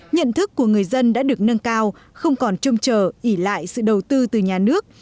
nhận thức của người dân đã được nâng cao không còn trông chờ ỉ lại sự đầu tư từ nhà nước